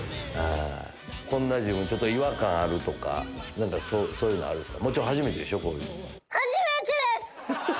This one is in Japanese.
こんな自分ちょっと違和感あるとか何かそういうのあるんすか？